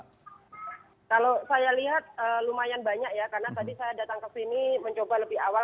kalau saya lihat lumayan banyak ya karena tadi saya datang ke sini mencoba lebih awal